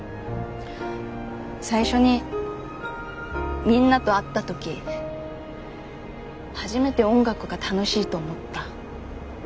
最初にみんなと会った時初めて音楽が楽しいと思った。